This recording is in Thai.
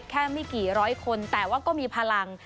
ไม่กี่ร้อยคนแต่ว่าก็มีพลัง